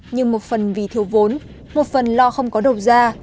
nhưng một phần vì thiếu vốn một phần lo không có đầu ra